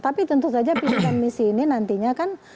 tapi tentu saja visi dan misi ini nantinya kan